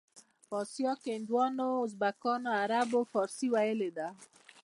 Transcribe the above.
په اسیا کې هندوانو، ازبکانو او عربو فارسي ویلې ده.